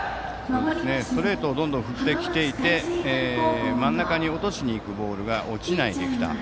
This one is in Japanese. ストレートをどんどん振ってきていて真ん中に落としにいくボールが落ちないできた。